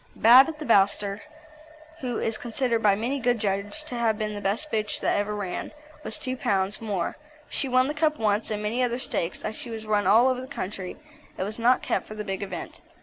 Bab at the Bowster, who is considered by many good judges to have been the best bitch that ever ran, was 2 lbs. more; she won the Cup once, and many other stakes, as she was run all over the country and was not kept for the big event.